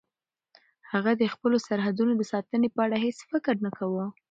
هغه د خپلو سرحدونو د ساتنې په اړه هیڅ فکر نه کاوه.